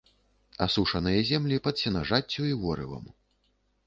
Асушаныя землі пад сенажаццю і ворывам.